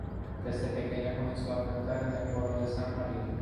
Desde pequeña comenzó a cantar en el coro de San Marino.